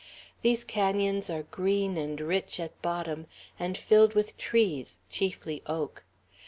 These canons are green and rich at bottom, and filled with trees, chiefly oak.